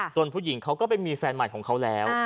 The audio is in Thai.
ผู้หญิงเขาก็ไปมีแฟนใหม่ของเขาแล้ว